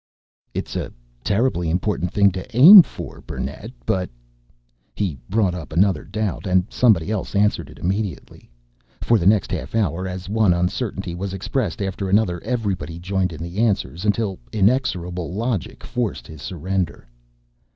"It's a terribly important thing to aim for, Burnett, but " He brought up another doubt and somebody else answered it immediately. For the next half hour, as one uncertainty was expressed after another, everybody joined in the answers until inexorable logic forced his surrender.